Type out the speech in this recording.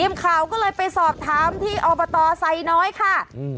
ทีมข่าวก็เลยไปสอบถามที่อบตไซน้อยค่ะอืม